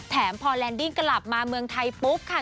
แถมพอแลนดิ้งกลับมาเมืองไทยปุ๊บค่ะ